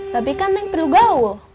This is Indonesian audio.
tapi kan yang perlu gaul